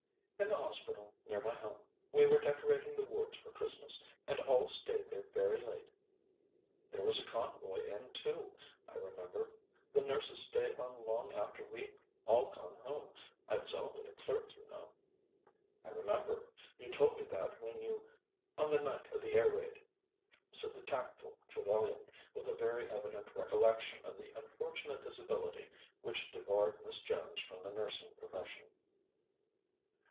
"In the hospital, near my home. We were decorating the wards for Christmas, and all stayed there very late. There was a convoy in, too, I remember; the nurses stayed on long after we'd all gone home. I was only a clerk, you know." "I remember. You told me that when you on the night of the air raid," said the tactful Trevellyan, with a very evident recollection of the unfortunate disability which debarred Miss Jones from the nursing profession.